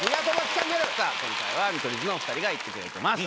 今回は見取り図のお２人が行ってくれてます。